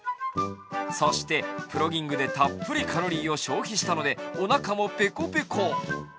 そして、プロギングでたっぷりカロリーを消費したのでおなかもペコペコ。